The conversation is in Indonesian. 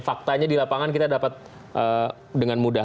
faktanya di lapangan kita dapat dengan mudah